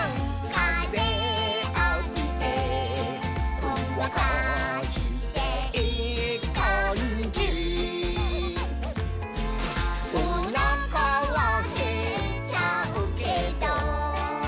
「かぜあびてほんわかしていいかんじ」「おなかはへっちゃうけど」